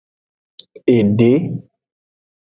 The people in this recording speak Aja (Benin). Ede.